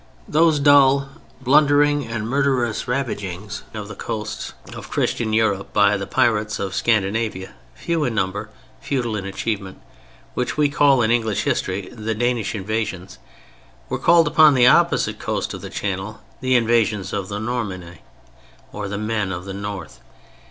Those dull, blundering and murderous ravagings of the coasts of Christian Europe by the pirates of Scandinavia (few in number, futile in achievement) which we call in English history, "The Danish Invasions," were called upon the opposite coast of the Channel, "The Invasions of the Nordmanni" or "the Men of the North."